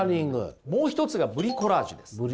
もう一つがブリコラージュです。